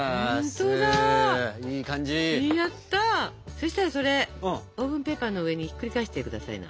そしたらそれオーブンペーパーの上にひっくり返してくださいな。